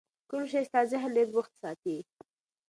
کوم شی ستا ذهن ډېر بوخت ساتي؟